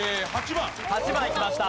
８番いきました。